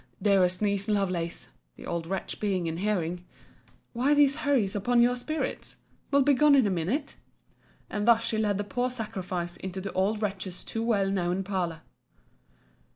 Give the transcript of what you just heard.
—Dearest niece Lovelace, [the old wretch being in hearing,] why these hurries upon your spirits?—We'll be gone in a minute. And thus she led the poor sacrifice into the old wretch's too well known parlour.